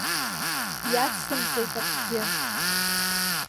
Иацсымҵеит акгьы.